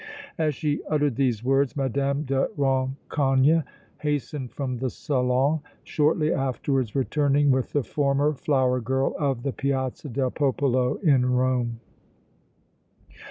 As she uttered these words Mme. de Rancogne hastened from the salon, shortly afterwards returning with the former flower girl of the Piazza del Popolo in Rome.